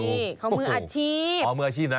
ของมืออาชีพอ๋อมืออาชีพนะ